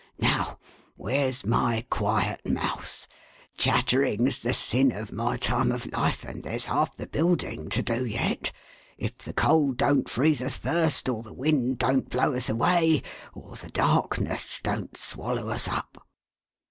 Now, where's my quiet Mouse? Chattering"^ the sin of my time of life, and there's half the building to do yet, if the cold don't freeze us first, or the wind don't blow us away, or the darkness don't swallow us up.